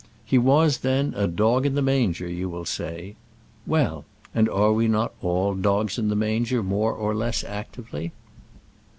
He was, then, a dog in the manger, you will say. Well; and are we not all dogs in the manger, more or less actively?